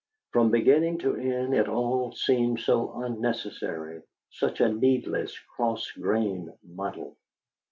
From beginning to end it all seems so unnecessary, such a needless, cross grained muddle.